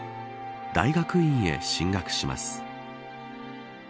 大学院へ進学します。